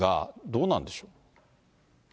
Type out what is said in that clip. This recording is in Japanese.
どうなんでしょう。